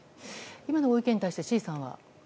今のご意見に対して志位さんは？